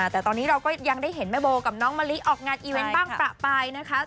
แต่ตอนนี้เราก็ยังได้เห็นแม่โบกับน้องมะลิออกงานอีเวนต์บ้างประปายนะคะ